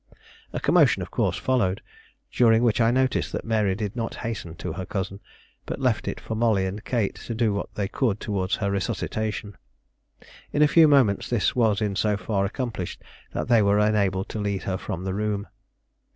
A commotion, of course, followed, during which I noticed that Mary did not hasten to her cousin, but left it for Molly and Kate to do what they could toward her resuscitation. In a few moments this was in so far accomplished that they were enabled to lead her from the room.